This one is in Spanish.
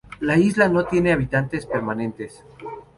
La isla no tiene habitantes permanentes.